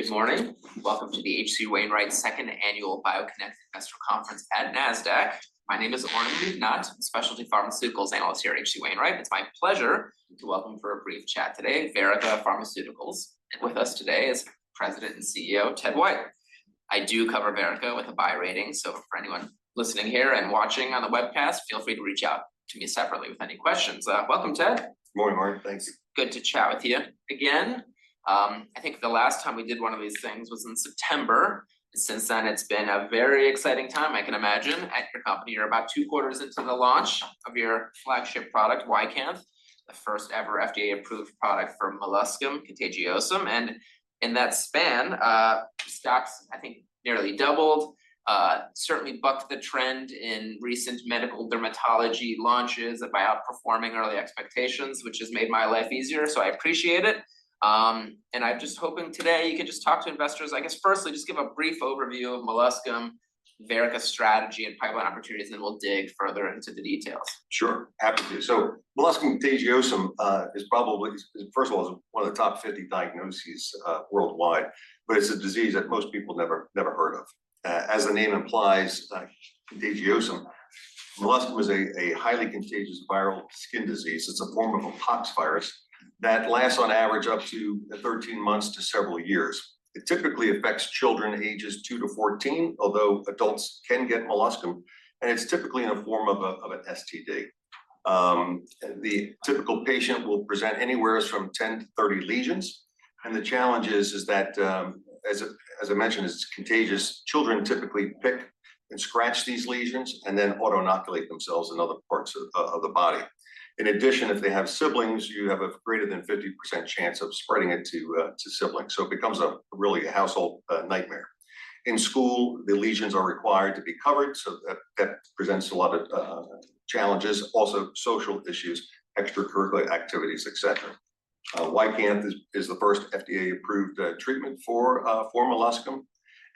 Good morning. Welcome to the H.C. Wainwright's Second Annual BioConnect Investor Conference at Nasdaq. My name is Oren Livnat, Specialty Pharmaceuticals Analyst here at H.C. Wainwright. It's my pleasure to welcome for a brief chat today, Verrica Pharmaceuticals. With us today is President and CEO, Ted White. I do cover Verrica with a buy rating, so for anyone listening here and watching on the webcast, feel free to reach out to me separately with any questions. Welcome, Ted. Good morning, Oren. Thanks. Good to chat with you again. I think the last time we did one of these things was in September. Since then, it's been a very exciting time, I can imagine, at your company. You're about two quarters into the launch of your flagship product, YCANTH, the first-ever FDA-approved product for molluscum contagiosum. And in that span, stocks, I think, nearly doubled, certainly bucked the trend in recent medical dermatology launches by outperforming early expectations, which has made my life easier, so I appreciate it. And I'm just hoping today you can just talk to investors. I guess, firstly, just give a brief overview of molluscum, Verrica's strategy, and pipeline opportunities, and then we'll dig further into the details. Sure. Happy to. So molluscum contagiosum is probably, first of all, one of the top 50 diagnoses worldwide, but it's a disease that most people never heard of. As the name implies, contagiosum, molluscum is a highly contagious viral skin disease. It's a form of a pox virus that lasts on average up to 13 months to several years. It typically affects children ages two to 14, although adults can get molluscum, and it's typically in a form of an STD. The typical patient will present anywhere from 10-30 lesions, and the challenge is that, as I mentioned, it's contagious. Children typically pick and scratch these lesions and then auto-inoculate themselves in other parts of the body. In addition, if they have siblings, you have a greater than 50% chance of spreading it to siblings, so it becomes a really household nightmare. In school, the lesions are required to be covered, so that presents a lot of challenges, also social issues, extracurricular activities, et cetera. YCANTH is the first FDA-approved treatment for molluscum,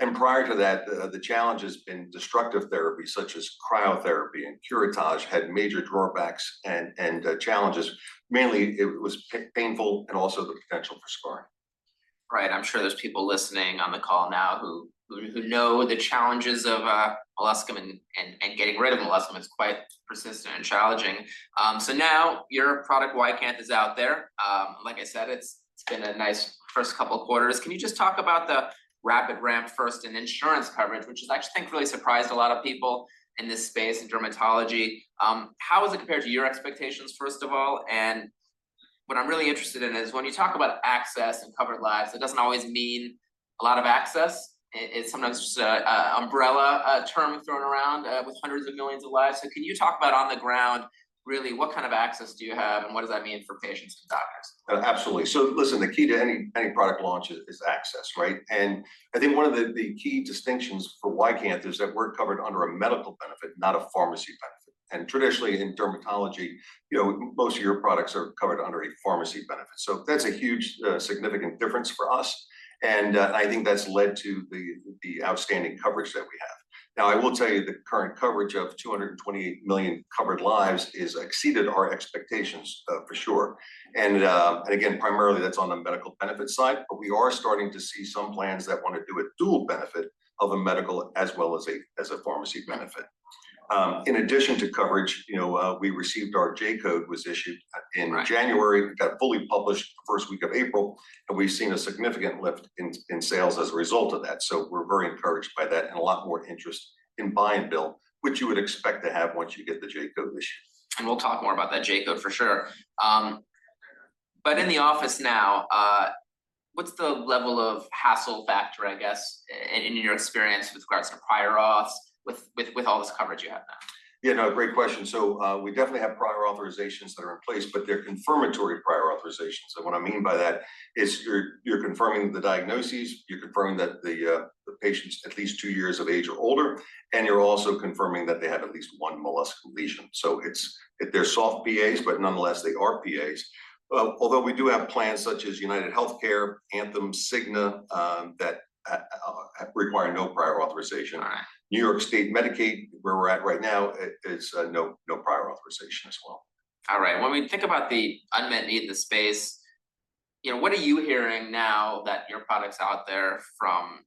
and prior to that, the challenges in destructive therapies such as cryotherapy and curettage had major drawbacks and challenges. Mainly, it was painful and also the potential for scarring. Right. I'm sure there's people listening on the call now who know the challenges of molluscum and getting rid of molluscum. It's quite persistent and challenging. So now your product, YCANTH, is out there. Like I said, it's been a nice first couple of quarters. Can you just talk about the rapid ramp first in insurance coverage, which has actually, I think, really surprised a lot of people in this space, in dermatology? How has it compared to your expectations, first of all, and what I'm really interested in is when you talk about access and covered lives, it doesn't always mean a lot of access. It's sometimes just a umbrella term thrown around with hundreds of millions of lives. Can you talk about on the ground, really, what kind of access do you have, and what does that mean for patients and doctors? Absolutely. So listen, the key to any, any product launch is access, right? And I think one of the, the key distinctions for YCANTH is that we're covered under a medical benefit, not a pharmacy benefit. And traditionally, in dermatology, you know, most of your products are covered under a pharmacy benefit. So that's a huge, significant difference for us, and, I think that's led to the, the outstanding coverage that we have. Now, I will tell you the current coverage of 228 million covered lives exceeded our expectations, for sure. And, and again, primarily that's on the medical benefit side, but we are starting to see some plans that want to do a dual benefit of a medical as well as a, as a pharmacy benefit. In addition to coverage, you know, we received our J-Code was issued- Right... in January, we got fully published first week of April, and we've seen a significant lift in sales as a result of that. So we're very encouraged by that and a lot more interest in buy-and-bill, which you would expect to have once you get the J-Code issued. We'll talk more about that J-Code for sure. In the office now, what's the level of hassle factor, I guess, in your experience with regards to prior auth with all this coverage you have now? Yeah, no, great question. So, we definitely have prior authorizations that are in place, but they're confirmatory prior authorizations. So what I mean by that is you're, you're confirming the diagnoses, you're confirming that the patient's at least two years of age or older, and you're also confirming that they have at least one molluscum lesion. So it's, they're soft PAs, but nonetheless, they are PAs. Although we do have plans such as UnitedHealthcare, Anthem, Cigna, that require no prior authorization. All right. New York State Medicaid, where we're at right now, it is, no, no prior authorization as well. All right. When we think about the unmet need in the space, you know, what are you hearing now that your product's out there from,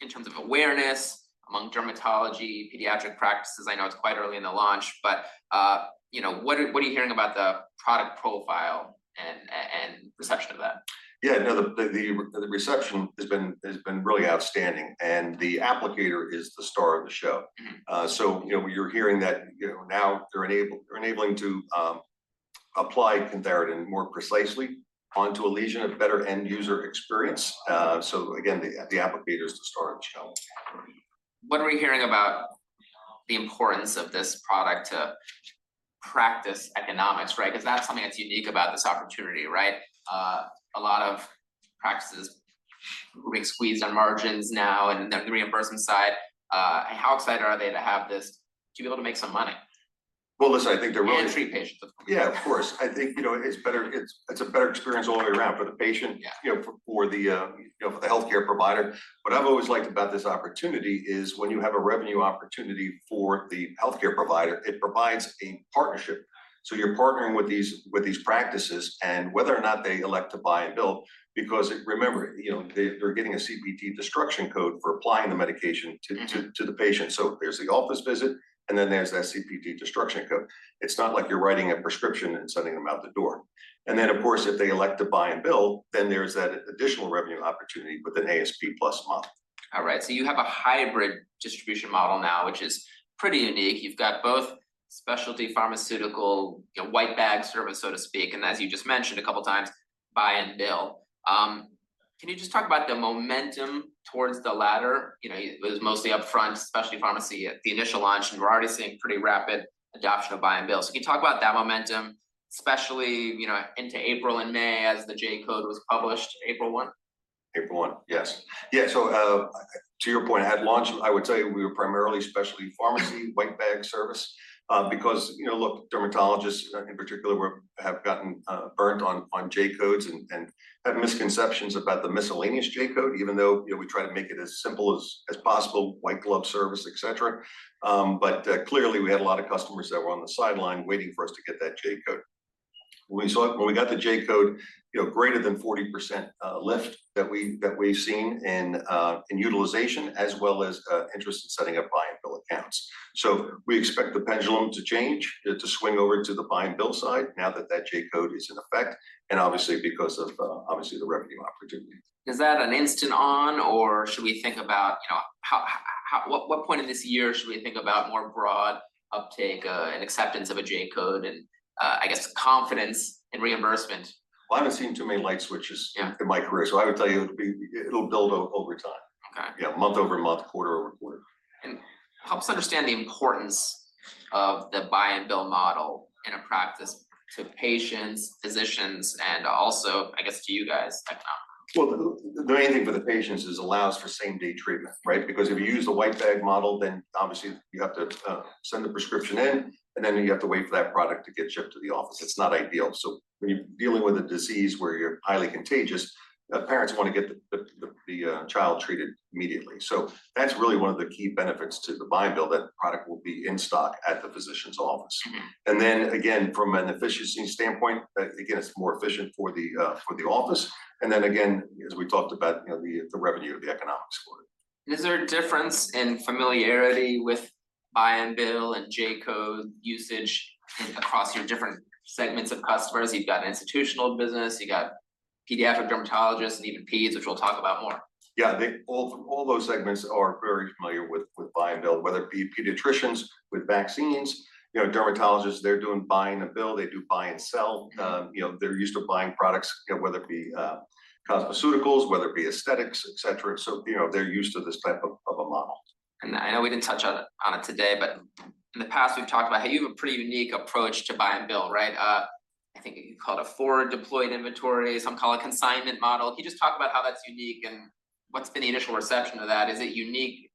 in terms of awareness among dermatology, pediatric practices? I know it's quite early in the launch, but, you know, what are you hearing about the product profile and reception to that? Yeah, no, the reception has been really outstanding, and the applicator is the star of the show. So you know, you're hearing that, you know, now they're enabling to apply cantharidin more precisely onto a lesion, a better end-user experience. So again, the applicator is the star of the show. What are we hearing about the importance of this product to practice economics, right? 'Cause that's something that's unique about this opportunity, right? A lot of practices are getting squeezed on margins now and the reimbursement side. How excited are they to have this to be able to make some money?... Well, listen, I think they're really- Treat patients, of course. Yeah, of course. I think, you know, it's better, it's, it's a better experience all the way around for the patient- Yeah... you know, for the healthcare provider. What I've always liked about this opportunity is when you have a revenue opportunity for the healthcare provider, it provides a partnership. So you're partnering with these practices, and whether or not they elect to buy and bill, because remember, you know, they're getting a CPT destruction code for applying the medication to- Mm-hmm... to the patient. So there's the office visit, and then there's that CPT destruction code. It's not like you're writing a prescription and sending them out the door. And then, of course, if they elect to buy and bill, then there's that additional revenue opportunity with an ASP plus model. All right, so you have a hybrid distribution model now, which is pretty unique. You've got both specialty pharmaceutical, you know, white bag service, so to speak, and as you just mentioned a couple of times, buy and bill. Can you just talk about the momentum towards the latter? You know, it was mostly upfront, especially pharmacy at the initial launch, and we're already seeing pretty rapid adoption of buy and bill. So can you talk about that momentum, especially, you know, into April and May as the J-Code was published, April 1? April one, yes. Yeah, so, to your point, at launch, I would tell you we were primarily specialty pharmacy- Mm... white bag service. Because, you know, look, dermatologists in particular were have gotten burnt on J-Codes and have misconceptions about the miscellaneous J-Code, even though, you know, we try to make it as simple as possible, white glove service, et cetera. But clearly, we had a lot of customers that were on the sideline waiting for us to get that J-Code. When we got the J-Code, you know, greater than 40% lift that we've seen in utilization, as well as interest in setting up buy and bill accounts. So we expect the pendulum to change, it to swing over to the buy and bill side now that that J-Code is in effect, and obviously, because of obviously, the revenue opportunity. Is that an instant on, or should we think about, you know, what point in this year should we think about more broad uptake, and acceptance of a J-Code, and, I guess confidence in reimbursement? Well, I haven't seen too many light switches- Yeah... in my career, so I would tell you it'll be, it'll build over time. Okay. Yeah, month-over-month, quarter-over-quarter. Help us understand the importance of the buy and bill model in a practice to patients, physicians, and also, I guess, to you guys, economically? Well, the main thing for the patients is allows for same-day treatment, right? Because if you use a white-bag model, then obviously you have to send the prescription in, and then you have to wait for that product to get shipped to the office. It's not ideal. So when you're dealing with a disease where you're highly contagious, parents want to get the child treated immediately. So that's really one of the key benefits to the buy and bill, that product will be in stock at the physician's office. Mm-hmm. And then again, from an efficiency standpoint, again, it's more efficient for the office. And then again, as we talked about, you know, the revenue, the economics for it. Is there a difference in familiarity with buy and bill and J-Code usage across your different segments of customers? You've got an institutional business, you got pediatric dermatologists and even peds, which we'll talk about more. Yeah, they all, all those segments are very familiar with buy and bill, whether it be pediatricians with vaccines. You know, dermatologists, they're doing buy and bill, they do buy and sell. You know, they're used to buying products, you know, whether it be cosmeceuticals, whether it be aesthetics, et cetera. So, you know, they're used to this type of a model. And I know we didn't touch on it today, but in the past, we've talked about how you have a pretty unique approach to buy and bill, right? I think you called it forward-deployed inventory, some call it consignment model. Can you just talk about how that's unique and what's been the initial reception of that? Is it unique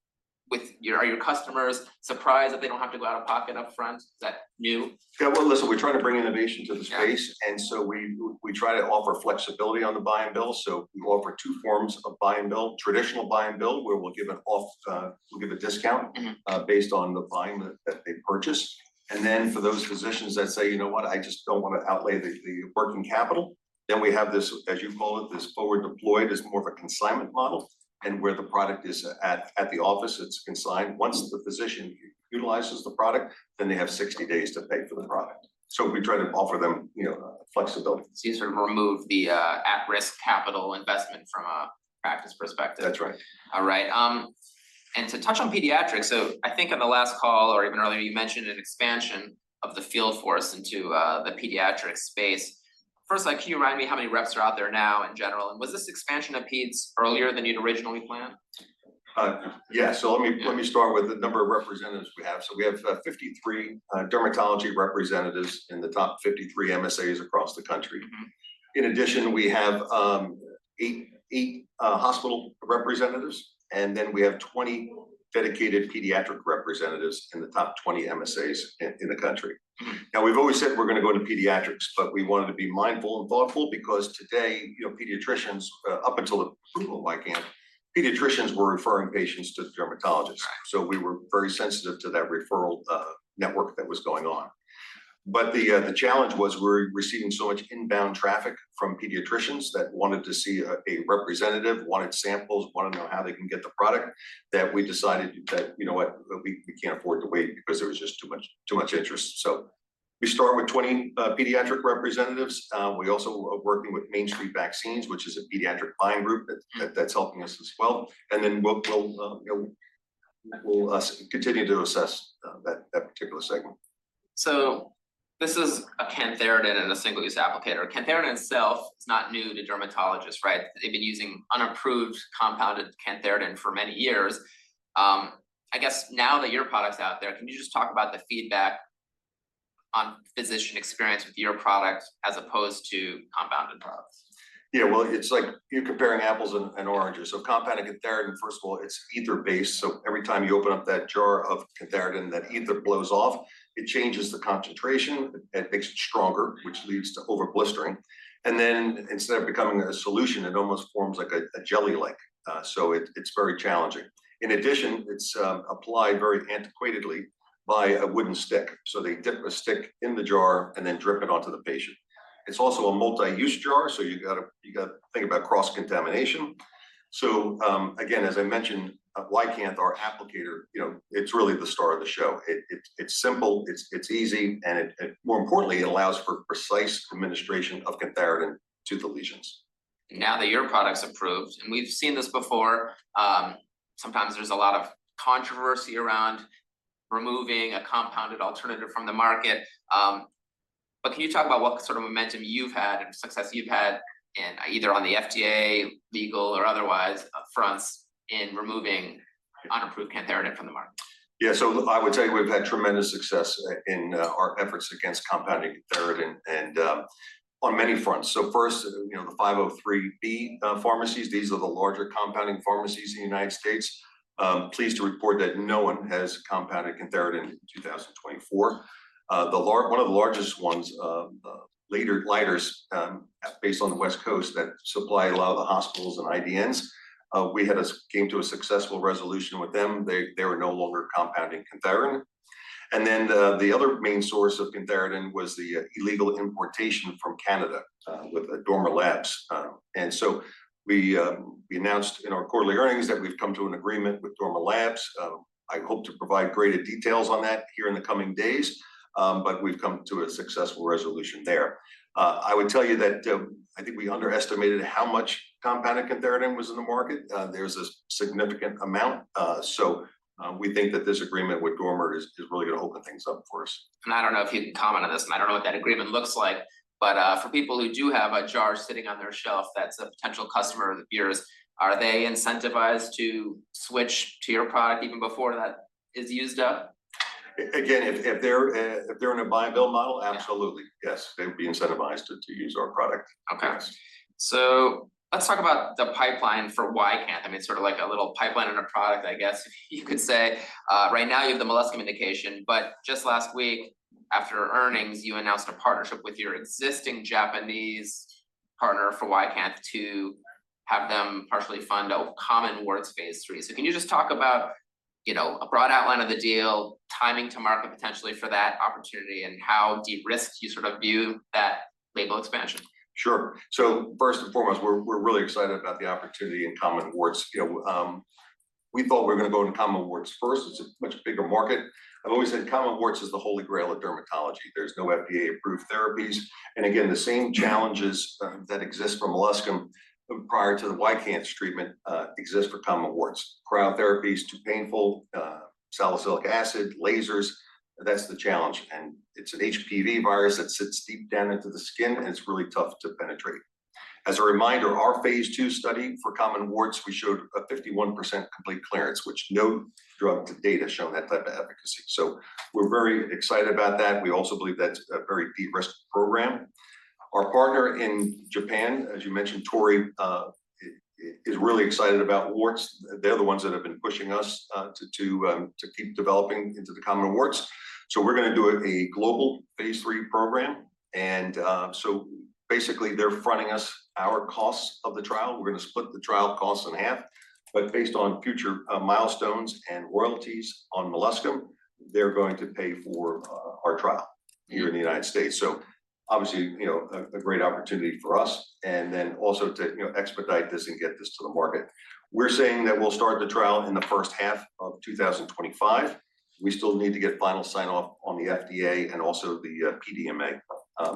with your... Are your customers surprised that they don't have to go out of pocket upfront? Is that new? Yeah. Well, listen, we try to bring innovation to the space- Yeah... and so we try to offer flexibility on the buy and bill. So we offer two forms of buy and bill: traditional buy and bill, where we'll give an off, we'll give a discount- Mm-hmm... based on the volume that they purchased. And then for those physicians that say, "You know what? I just don't want to outlay the working capital," then we have this, as you call it, this forward deployed, is more of a consignment model. And where the product is at the office, it's consigned. Once the physician utilizes the product, then they have 60 days to pay for the product. So we try to offer them, you know, flexibility. So you sort of remove the at-risk capital investment from a practice perspective? That's right. All right. And to touch on pediatrics, so I think on the last call or even earlier, you mentioned an expansion of the field force into the pediatric space. First, like, can you remind me how many reps are out there now in general? And was this expansion of peds earlier than you'd originally planned? Yeah. So let me- Yeah... let me start with the number of representatives we have. So we have 53 dermatology representatives in the top 53 MSAs across the country. Mm-hmm. In addition, we have eight hospital representatives, and then we have 20 dedicated pediatric representatives in the top 20 MSAs in the country. Mm. Now, we've always said we're gonna go to pediatrics, but we wanted to be mindful and thoughtful because today, you know, pediatricians up until the approval of YCANTH, pediatricians were referring patients to dermatologists. Right. So we were very sensitive to that referral network that was going on. But the challenge was we're receiving so much inbound traffic from pediatricians that wanted to see a representative, wanted samples, wanted to know how they can get the product, that we decided that, you know what? We can't afford to wait because there was just too much, too much interest. So we start with 20 pediatric representatives. We also are working with Main Street Vaccines, which is a pediatric buying group that- Mm... that's helping us as well. And then we'll, you know, we'll continue to assess that particular segment. So this is a cantharidin and a single-use applicator. cantharidin itself is not new to dermatologists, right? They've been using unapproved compounded cantharidin for many years. I guess now that your product's out there, can you just talk about the feedback on physician experience with your product as opposed to compounded products? Yeah, well, it's like you're comparing apples and oranges. So compounded cantharidin, first of all, it's ether-based, so every time you open up that jar of cantharidin, that ether blows off, it changes the concentration, and it makes it stronger, which leads to over blistering. And then instead of becoming a solution, it almost forms like a jelly-like, so it's very challenging. In addition, it's applied very antiquatedly by a wooden stick. So they dip a stick in the jar and then drip it onto the patient. It's also a multi-use jar, so you gotta, you gotta think about cross-contamination. So, again, as I mentioned, YCANTH, our applicator, you know, it's really the star of the show. It, it's simple, it's easy, and it-- more importantly, it allows for precise administration of cantharidin to the lesions. Now that your product's approved, and we've seen this before, sometimes there's a lot of controversy around removing a compounded alternative from the market. But can you talk about what sort of momentum you've had and success you've had in either on the FDA, legal, or otherwise, fronts in removing unapproved cantharidin from the market? Yeah. So I would tell you, we've had tremendous success in our efforts against compounded cantharidin and, on many fronts. So first, you know, the 503B pharmacies, these are the larger compounding pharmacies in the United States. Pleased to report that no one has compounded cantharidin in 2024. One of the largest ones, Leiters, based on the West Coast that supply a lot of the hospitals and IDNs, we came to a successful resolution with them. They are no longer compounding cantharidin. And then, the other main source of cantharidin was the illegal importation from Canada, with Dormer Labs. And so we announced in our quarterly earnings that we've come to an agreement with Dormer Labs. I hope to provide greater details on that here in the coming days, but we've come to a successful resolution there. I would tell you that, I think we underestimated how much compounded cantharidin was in the market. There's a significant amount, so, we think that this agreement with Dormer is, is really going to open things up for us. I don't know if you'd comment on this, and I don't know what that agreement looks like, but, for people who do have a jar sitting on their shelf, that's a potential customer of yours. Are they incentivized to switch to your product even before that is used up? Again, if they're in a buy and bill model- Yeah... absolutely, yes, they'd be incentivized to use our product. Okay. Yes. So let's talk about the pipeline for YCANTH. I mean, it's sort of like a little pipeline and a product, I guess you could say. Right now you have the molluscum indication, but just last week, after earnings, you announced a partnership with your existing Japanese partner for YCANTH to have them partially fund common warts phase III. So can you just talk about, you know, a broad outline of the deal, timing to market potentially for that opportunity, and how de-risked you sort of view that label expansion? Sure. So first and foremost, we're really excited about the opportunity in common warts. You know, we thought we were going to go into common warts first. It's a much bigger market. I've always said common warts is the Holy Grail of dermatology. There's no FDA-approved therapies. And again, the same challenges that exist for molluscum prior to the YCANTH treatment exist for common warts. Cryotherapies, too painful, salicylic acid, lasers, that's the challenge, and it's an HPV virus that sits deep down into the skin, and it's really tough to penetrate. As a reminder, our phase II study for common warts, we showed a 51% complete clearance, which no drug to date has shown that type of efficacy. So we're very excited about that. We also believe that's a very de-risked program. Our partner in Japan, as you mentioned, Torii, is really excited about warts. They're the ones that have been pushing us to keep developing into the common warts. So we're gonna do a global phase III program, and so basically, they're fronting us our costs of the trial. We're gonna split the trial costs in half, but based on future milestones and royalties on molluscum, they're going to pay for our trial- Mm-hmm... here in the United States. So obviously, you know, a great opportunity for us, and then also to, you know, expedite this and get this to the market. We're saying that we'll start the trial in the first half of 2025. We still need to get final sign-off on the FDA and also the PMDA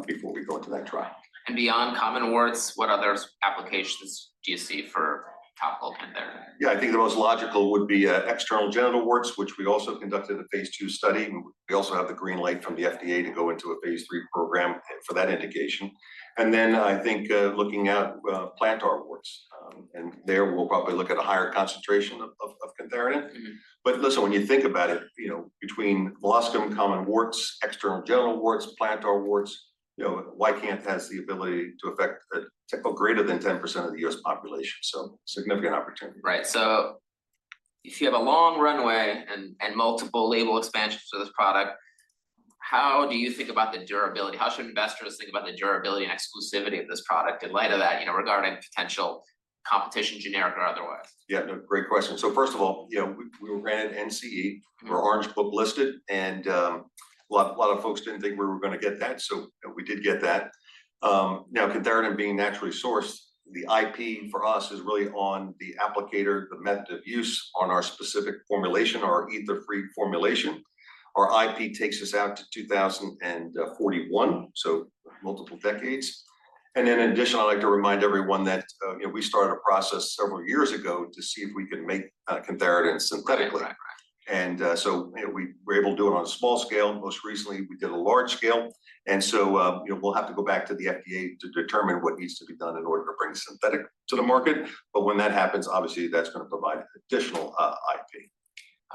before we go into that trial. Beyond common warts, what other applications do you see for topical cantharidin? Yeah, I think the most logical would be external genital warts, which we also conducted a phase II study, and we also have the green light from the FDA to go into a phase III program for that indication. And then I think looking at plantar warts, and there, we'll probably look at a higher concentration of cantharidin. Mm-hmm. But listen, when you think about it, you know, between molluscum, common warts, external genital warts, plantar warts, you know, YCANTH has the ability to affect greater than 10% of the U.S. population, so significant opportunity. Right. So if you have a long runway and multiple label expansions for this product, how do you think about the durability? How should investors think about the durability and exclusivity of this product in light of that, you know, regarding potential competition, generic or otherwise? Yeah, no, great question. So first of all, you know, we, we were granted NCE- Mm-hmm... we're Orange Book listed, and a lot of folks didn't think we were gonna get that, so we did get that. Now, cantharidin being naturally sourced, the IP for us is really on the applicator, the method of use on our specific formulation, our ether-free formulation. Our IP takes us out to 2041, so multiple decades. And in addition, I'd like to remind everyone that, you know, we started a process several years ago to see if we can make cantharidin synthetically. Right. Right. And, so, you know, we were able to do it on a small scale. Most recently, we did a large scale, and so, you know, we'll have to go back to the FDA to determine what needs to be done in order to bring synthetic to the market. But when that happens, obviously, that's gonna provide additional, IP....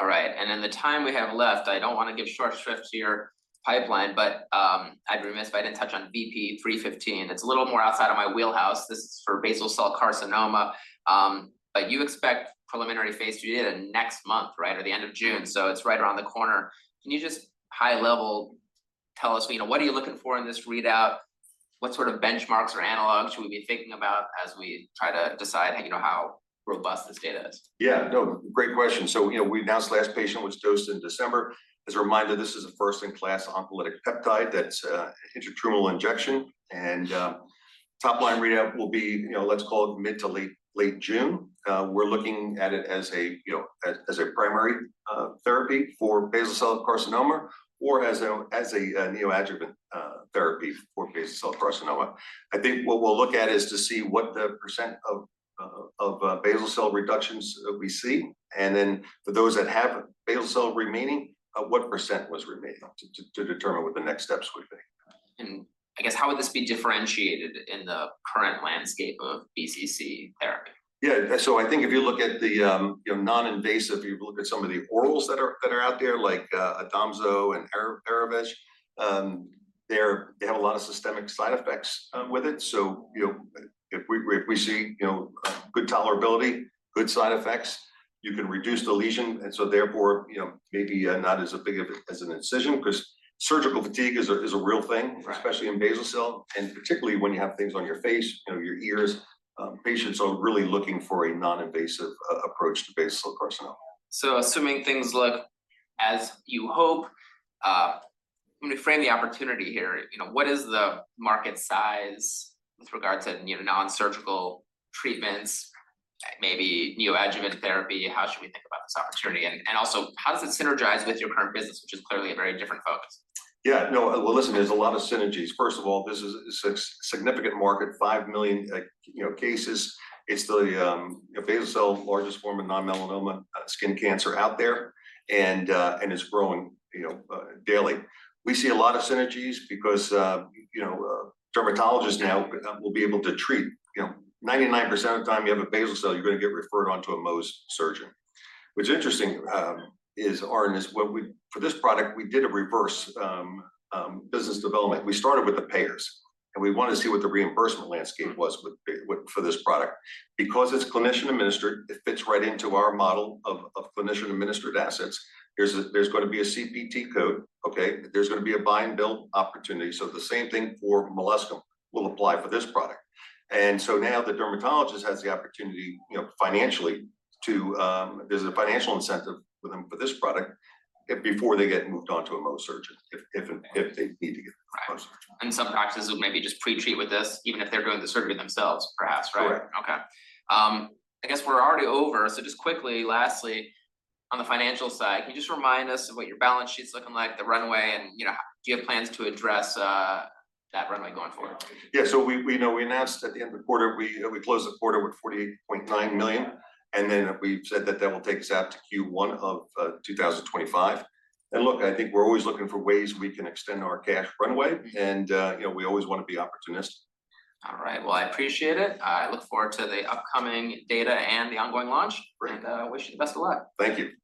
All right, and in the time we have left, I don't want to give short shrift to your pipeline, but I'd be remiss if I didn't touch on VP-315. It's a little more outside of my wheelhouse. This is for basal cell carcinoma, but you expect preliminary phase II data next month, right, or the end of June, so it's right around the corner. Can you just high level tell us, you know, what are you looking for in this readout? What sort of benchmarks or analogs should we be thinking about as we try to decide, you know, how robust this data is? Yeah, no, great question. So, you know, we've announced last patient was dosed in December. As a reminder, this is a first-in-class oncolytic peptide that's intratumoral injection. And top line readout will be, you know, let's call it mid- to late June. We're looking at it as a, you know, as a primary therapy for basal cell carcinoma, or as a neoadjuvant therapy for basal cell carcinoma. I think what we'll look at is to see what the percent of basal cell reductions we see, and then for those that have basal cell remaining, what percent was remaining to determine what the next steps would be. I guess how would this be differentiated in the current landscape of BCC therapy? Yeah. So I think if you look at the, you know, non-invasive, you look at some of the orals that are, that are out there, like, ODOMZO and Erivedge, they have a lot of systemic side effects, with it. So, you know, if we, if we see, you know, good tolerability, good side effects, you can reduce the lesion, and so therefore, you know, maybe, not as a big of as an incision. Because surgical fatigue is a, is a real thing- Right... especially in basal cell, and particularly when you have things on your face, you know, your ears. Patients are really looking for a non-invasive approach to basal cell carcinoma. So assuming things look as you hope, let me frame the opportunity here. You know, what is the market size with regards to, you know, non-surgical treatments, maybe neoadjuvant therapy? How should we think about this opportunity? And also, how does it synergize with your current business, which is clearly a very different focus? Yeah. No. Well, listen, there's a lot of synergies. First of all, this is a significant market, 5 million, you know, cases. It's the basal cell, largest form of non-melanoma skin cancer out there, and it's growing, you know, daily. We see a lot of synergies because, you know, dermatologists now will be able to treat. You know, 99% of the time you have a basal cell, you're going to get referred on to a Mohs surgeon. What's interesting, Oren, is what we for this product, we did a reverse business development. We started with the payers, and we wanted to see what the reimbursement landscape was with, with, for this product. Because it's clinician administered, it fits right into our model of clinician administered assets. There's going to be a CPT code, okay? There's going to be a buy and bill opportunity. So the same thing for molluscum will apply for this product. And so now the dermatologist has the opportunity, you know, financially to, there's a financial incentive for them for this product before they get moved on to a Mohs surgeon, if they need to get a Mohs surgeon. Right. And some practices will maybe just pre-treat with this, even if they're doing the surgery themselves, perhaps. Right? Correct. Okay. I guess we're already over. So just quickly, lastly, on the financial side, can you just remind us of what your balance sheet's looking like, the runway, and, you know, do you have plans to address that runway going forward? Yeah. So we know we announced at the end of the quarter, we closed the quarter with $48.9 million, and then we've said that that will take us out to Q1 of 2025. And look, I think we're always looking for ways we can extend our cash runway, and you know, we always want to be opportunist. All right. Well, I appreciate it. I look forward to the upcoming data and the ongoing launch. Great. Wish you the best of luck. Thank you. Thank you.